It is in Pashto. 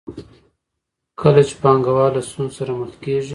کله چې پانګوال له ستونزو سره مخ کېږي